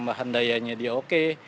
tambahan dayanya dia oke